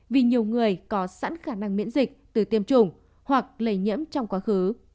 vì nhiều người có sẵn khả năng miễn dịch từ tiêm chủng hoặc lây nhiễm trong quá khứ